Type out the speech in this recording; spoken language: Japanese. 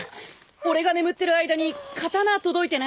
俺が眠ってる間に刀届いてない？